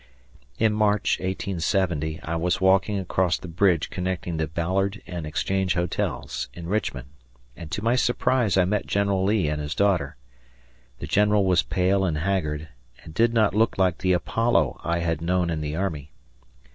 In March, 1870, I was walking across the bridge connecting the Ballard and Exchange hotels, in Richmond, and to my surprise I met General Lee and his daughter. The general was pale and haggard, and did not look like the Apollo I had known in the army.